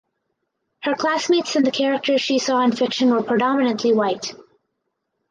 Her classmates and the characters she saw in fiction were predominantly white.